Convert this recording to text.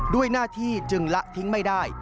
ด้วยหน้าที่จึงละทิ้งไม่ได้